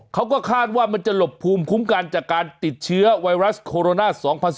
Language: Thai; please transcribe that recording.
เขาก็คาดว่ามันจะหลบภูมิคุ้มกันจากการติดเชื้อไวรัสโคโรนา๒๐๑๙